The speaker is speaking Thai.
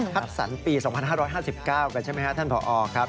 สรรปี๒๕๕๙กันใช่ไหมครับท่านผอครับ